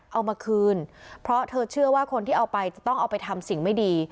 เอามาคืนเพราะเธอเชื่อว่าคนที่เอาไปจะต้องเอาไปทำสิ่งไม่ดี